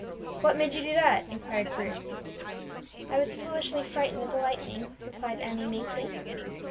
"What made you do that?" inquired Bruce. "I was foolishly frightened at the lightning," replied Emmie meekly.